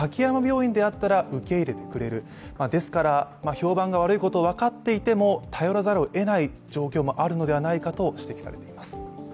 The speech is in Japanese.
評判が悪いことが分かっていても頼らざるを得ない状況もあるのではないかと指摘されています。